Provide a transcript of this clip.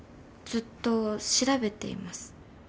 ずっと調べています。